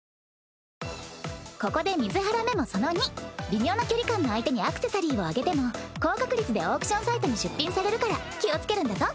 微妙な距離感の相手にアクセサリーをあげても高確率でオークションサイトに出品されるから気をつけるんだぞ。